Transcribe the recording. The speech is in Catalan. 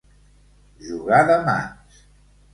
Jugar de mans.